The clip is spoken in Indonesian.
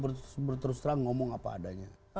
berterus terang ngomong apa adanya